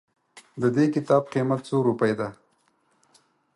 ددي کتاب قيمت څو روپئ ده